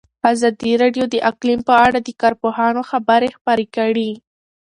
ازادي راډیو د اقلیم په اړه د کارپوهانو خبرې خپرې کړي.